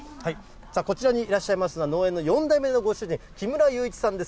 こちらにいらっしゃいますのは、農園の４代目のご主人、木村祐一さんです。